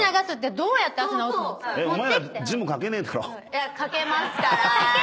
いや書けますから！